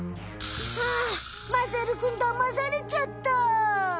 ああまさるくんだまされちゃった。